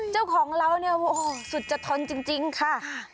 เจ้าของเราเนี่ยโอ้โหสุดจะทนจริงค่ะ